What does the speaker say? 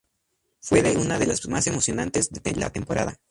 Fue una de las más emocionantes de la temporada.